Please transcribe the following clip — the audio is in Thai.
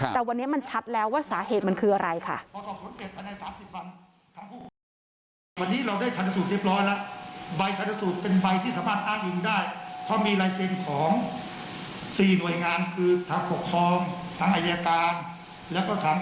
แต่วันนี้มันชัดแล้วว่าสาเหตุมันคืออะไรค่ะ